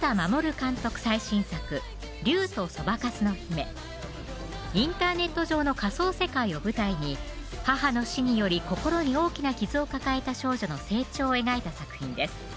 最新作竜とインターネット上の仮想世界を舞台に母の死により心に大きな傷を抱えた少女の成長を描いた作品です